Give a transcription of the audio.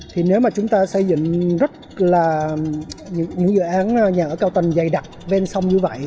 thì nếu mà chúng ta xây dựng rất là những dự án nhà ở cao tầng dày đặc ven sông như vậy